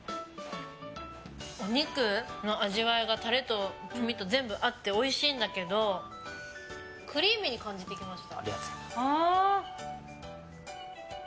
お肉の味わいがタレと黄身と全部合って、おいしいんだけどクリーミーに感じてきました。